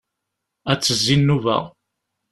Ad d-tezzi nnuba.